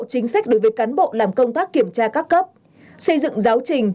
chính sách đối với cán bộ làm công tác kiểm tra các cấp xây dựng giáo trình